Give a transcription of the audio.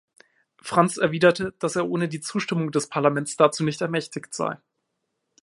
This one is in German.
Franz erwiderte, dass er ohne die Zustimmung des Parlaments dazu nicht ermächtigt sei.